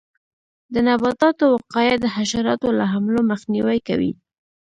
د نباتاتو وقایه د حشراتو له حملو مخنیوی کوي.